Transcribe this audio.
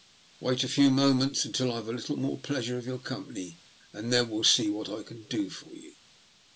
Wait a few moments until I've had a little more pleasure out of your company, and then we'll see what I can do for you."